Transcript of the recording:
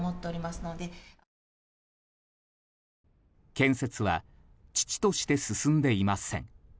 建設は遅々として進んでいません。